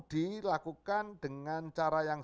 dilakukan dengan cara yang